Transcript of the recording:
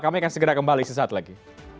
kami akan segera kembali sesaat lagi